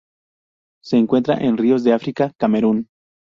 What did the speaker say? Se encuentran en ríos de África:Camerún.